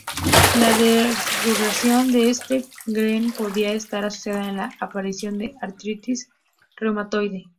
La desregulación de este gen podría estar asociada con la aparición de artritis reumatoide.